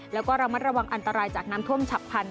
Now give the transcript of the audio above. แล้วก็ระมัดระวังอันตรายจากน้ำท่วมฉับพันธ